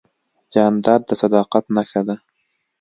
جانداد د صداقت نښه ده.